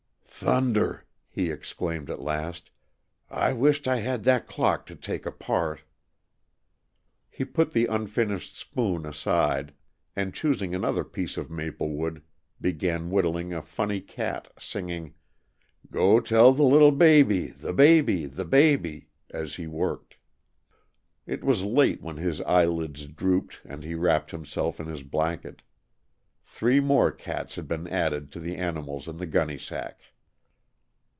"Thunder!" he exclaimed at last, "I wisht I had that clock to take apart." He put the unfinished spoon aside and, choosing another piece of maple wood, began whittling a funny cat, singing, "Go tell the little baby, the baby, the baby," as he worked. It was late when his eyelids drooped and he wrapped himself in his blanket. Three more cats had been added to the animals in the gunny sack.